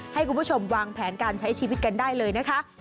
ให้คุณผู้ชมวางแผนการใช้ชีวิตกันได้เลยนะคะ